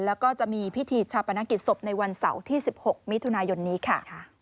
แล้วก็จะมีพิธีชาปนกิจศพในวันเสาร์ที่๑๖มิถุนายนนี้ค่ะ